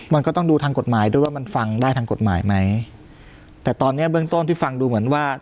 มันก็ต้องดูทางกฎหมายด้วยว่ามันฟังได้ทางกฎหมายไหมแต่ตอนเนี้ยเบื้องต้นที่ฟังดูเหมือนว่า